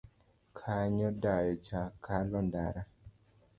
Kony dayo cha kalo ndara